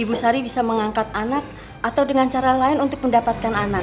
ibu sari bisa mengangkat anak atau dengan cara lain untuk mendapatkan anak